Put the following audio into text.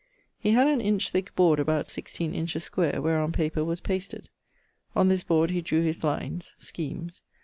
He had an inch thick board about 16 inches square, whereon paper was pasted. On this board he drew his lines (schemes).